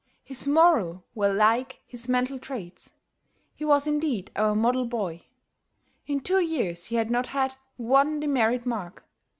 His moral were like his mental traits. He was indeed our model boy. In two years he had not had one demerit mark.